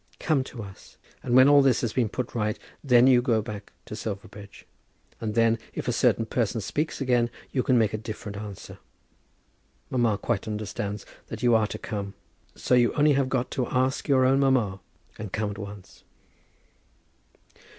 Come to us, and when all this has been put right, then you go back to Silverbridge; and then, if a certain person speaks again, you can make a different answer. Mamma quite understands that you are to come; so you have only got to ask your own mamma, and come at once.